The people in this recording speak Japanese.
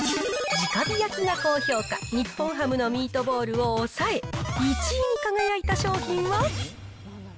直火焼が高評価、日本ハムのミートボールを抑え、１位に輝いた商品は？